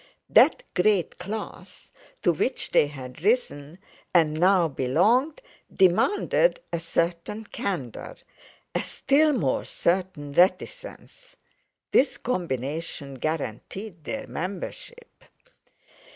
That great class to which they had risen, and now belonged, demanded a certain candour, a still more certain reticence. This combination guaranteed their membership.